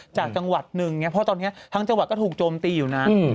จากจังหวัดหนึ่งเพราะตอนนี้ทั้งจังหวัดก็ถูกโจมตีอยู่นะ